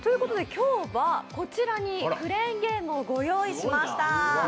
今日は、こちらにクレーンゲームをご用意しました。